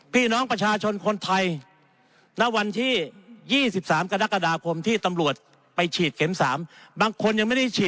พี่น้องประชาชนคนไทย